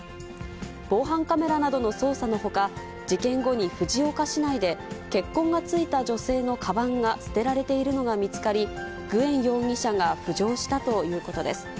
防犯カメラなどの捜査のほか、事件後に藤岡市内で、血痕がついた女性のかばんが捨てられているのが見つかり、グエン容疑者が浮上したということです。